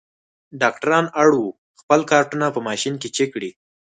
ډاکټران اړ وو خپل کارټونه په ماشین کې چک کړي.